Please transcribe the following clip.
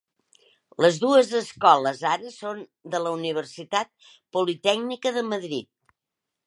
Les dues escoles ara són de la Universitat Politècnica de Madrid.